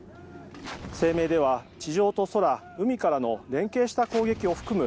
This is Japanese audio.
声明では地上と空海からの連携した攻撃を含む